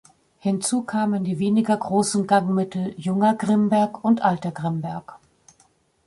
Hinzu kamen die weniger großen Gangmittel "Junger Grimberg" und "Alter Grimberg".